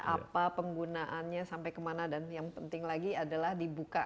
apa penggunaannya sampai kemana dan yang penting lagi adalah dibuka